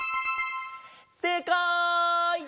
せいかい！